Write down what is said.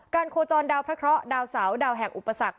โคจรดาวพระเคราะห์ดาวเสาดาวแห่งอุปสรรค